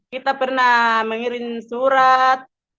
kita pernah mengirim surat